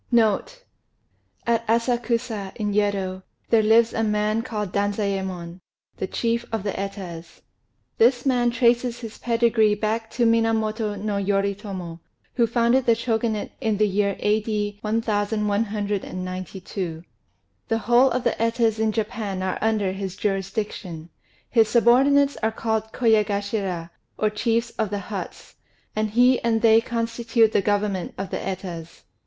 NOTE At Asakusa, in Yedo, there lives a man called Danzayémon, the chief of the Etas. This man traces his pedigree back to Minamoto no Yoritomo, who founded the Shogunate in the year A.D. 1192. The whole of the Etas in Japan are under his jurisdiction; his subordinates are called Koyagashira, or "chiefs of the huts"; and he and they constitute the government of the Etas.